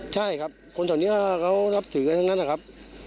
ใช่ครับคนเสาหน้าเขารับถืออย่างนั้นนะครับ